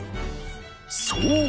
そう！